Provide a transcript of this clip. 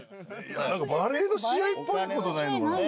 何かバレーの試合っぽいことないのかな？